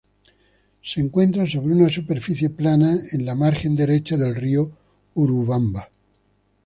Se encuentra sobre una superficie plana en la margen derecha del río Urubamba.